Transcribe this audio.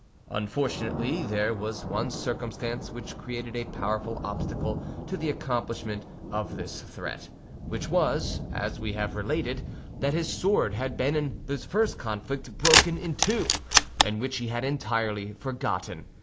Unfortunately, there was one circumstance which created a powerful obstacle to the accomplishment of this threat; which was, as we have related, that his sword had been in his first conflict broken in two, and which he had entirely forgotten.